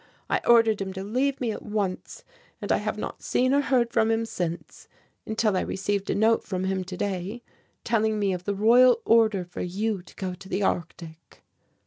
I ordered him to leave me at once and I have not seen or heard from him since, until I received a note from him today telling me of the Royal order for you to go to the Arctic."